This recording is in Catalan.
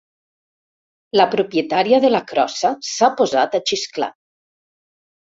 La propietària de la crossa s'ha posat a xisclar.